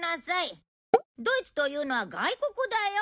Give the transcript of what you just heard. ドイツというのは外国だよ。